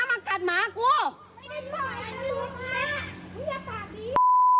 มึงถ่ายแบบนี้